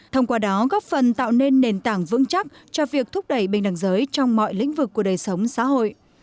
thông qua đó góp phần tạo nên nền tảng vững chắc cho việc thúc đẩy bình đẳng giới trong mọi lĩnh vực của đời sống xã hội